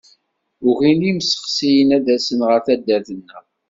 Ugin yimsexsiyen ad d-asen ɣer taddart-nneɣ.